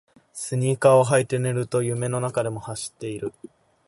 スニーカーを履いて寝ると夢の中でも走っている